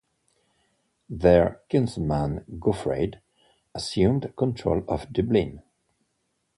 Their kinsman Gofraid assumed control of Dublin.